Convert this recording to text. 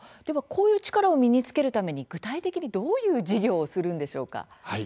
こういう力を身につけるために具体的にどういう授業をするんでしょうか？